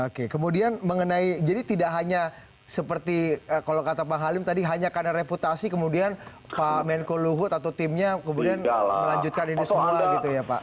oke kemudian mengenai jadi tidak hanya seperti kalau kata pak halim tadi hanya karena reputasi kemudian pak menko luhut atau timnya kemudian melanjutkan ini semua gitu ya pak